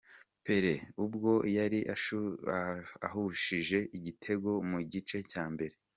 Pelle ubwo yari ahushije igitego mu gice cya mbere.